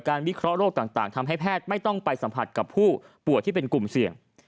วิเคราะห์โรคต่างทำให้แพทย์ไม่ต้องไปสัมผัสกับผู้ป่วยที่เป็นกลุ่มเสี่ยง